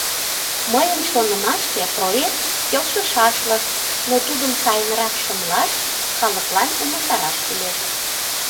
Мыйын шонымаште, проект келшышашлык, но тудым сайынрак шымлаш, калыклан умылтараш кӱлеш.